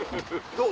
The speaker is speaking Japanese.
どう？